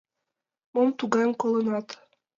Мом тугайым колынат?